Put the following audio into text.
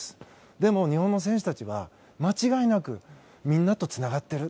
でも、日本の選手たちは間違いなくみんなとつながっている。